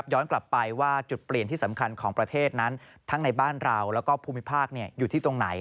ย้อนกลับไปว่าจุดเปลี่ยนที่สำคัญของประเทศนั้นทั้งในบ้านเราแล้วก็ภูมิภาคอยู่ที่ตรงไหน